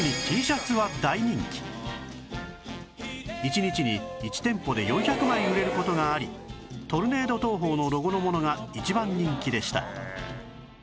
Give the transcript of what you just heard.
特に１日に１店舗で４００枚売れる事がありトルネード投法のロゴのものが一番人気でした